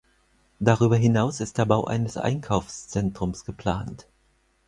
Darüber hinaus ist der Bau eines Einkaufszentrums geplant.